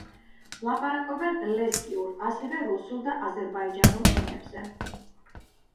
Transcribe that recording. ლაპარაკობენ ლეზგიურ, აგრეთვე რუსულ და აზერბაიჯანულ ენებზე.